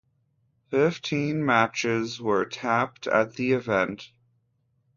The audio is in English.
Fifteen matches were taped at the event.